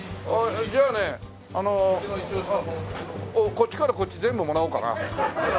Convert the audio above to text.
こっちからこっち全部もらおうかな。